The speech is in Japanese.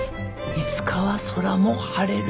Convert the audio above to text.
いつかは空も晴れる。